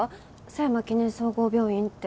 佐山記念総合病院って。